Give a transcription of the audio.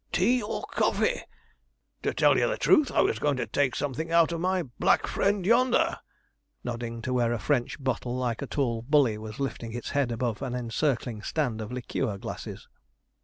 Tea or coffee? To tell you the truth, I was going to take something out of my black friend yonder,' nodding to where a French bottle like a tall bully was lifting its head above an encircling stand of liqueur glasses.